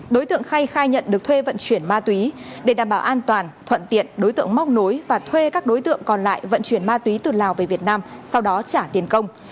đối tượng khay khai nhận được thuê vận chuyển ma túy để đảm bảo an toàn thuận tiện đối tượng móc nối và thuê các đối tượng còn lại vận chuyển ma túy từ lào về việt nam sau đó trả tiền công